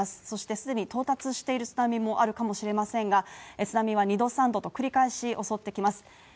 そして既に到達している津波もあるかもしれませんが津波は２度３度と繰り返し襲ってきます。